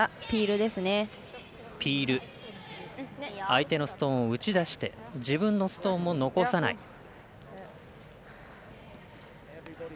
ピール、相手のストーンを打ち出して自分のストーンも残さない。